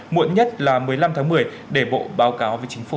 muộn nhất là một mươi năm tháng một mươi để bộ báo cáo với chính phủ